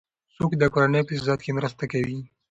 څوک د کورنۍ په اقتصاد کې مرسته کوي؟